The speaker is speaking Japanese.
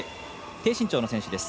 低身長の選手です。